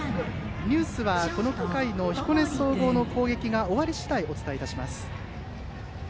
ニュースはこの回の彦根総合の攻撃が終わり次第お伝えいたします。